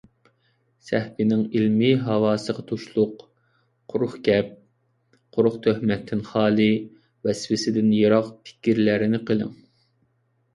سەھىپىنىڭ ئىلمىي ھاۋاسىغا تۇشلۇق، قۇرۇق گەپ، قۇرۇق تۆھمەتتىن خالىي، ۋەسۋەسىدىن يىراق پىكىرلەرنى قىلىڭ!